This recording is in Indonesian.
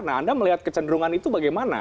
nah anda melihat kecenderungan itu bagaimana